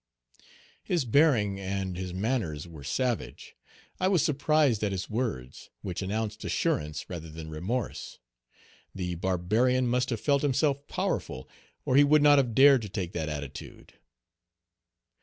His bearing and his manners were savage; I was surprised at his words, which announced assurance rather than remorse. The barbarian must have felt himself powerful, or he would not have dared to take that attitude."